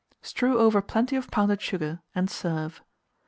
Strew over plenty of pounded sugar, and serve.